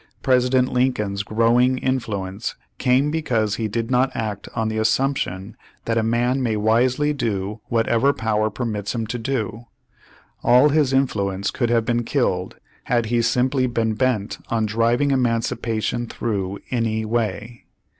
President Lincoln's growing in fluence came because he did not act on the assump tion that a man may wisely do whatever power permits him to do. All his influence could have been killed had he simply been bent on driving emancipation through any way.